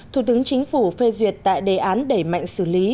thủ tướng chính phủ phê duyệt tại đề án đẩy mạnh xử lý